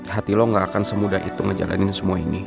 hati lo gak akan semudah itu ngejalanin semua ini